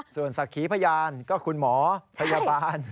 ส่วนศักดิ์ขีพยานก็คุณหมอพยาบาล